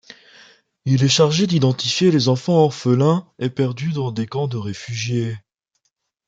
Il est chargé d'identifier les enfants orphelins et perdus dans des camps de réfugiés.